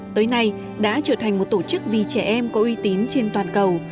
tới nay đã trở thành một tổ chức vì trẻ em có uy tín trên toàn cầu